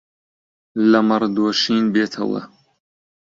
لە مەڕ دۆشین بێتەوە